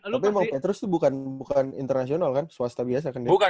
tapi emang petrus tuh bukan internasional kan swasta biasa kan dia